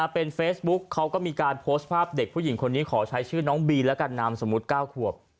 เป็นเฟซบุ๊กเขาก็มีการโพสต์ภาพเด็กผู้หญิงคนนี้ขอใช้ชื่อน้องบีนแล้วกันนามสมมุติ๙ขวบ